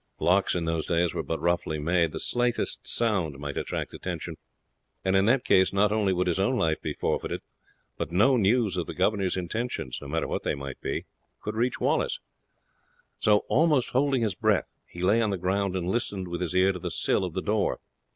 Locks in those days were but roughly made; the slightest sound might attract attention, and in that case not only would his own life be forfeited, but no news of the governor's intentions no matter what they might be could reach Wallace; so, almost holding his breath, he lay on the ground and listened with his ear to the sill of the door.